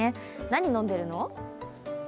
何飲んでるの？